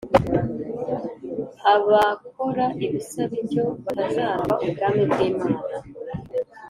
abakora ibisa bityo batazaragwa ubwami bw'Imana.